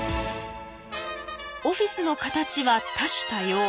オフィスの形は多種多様。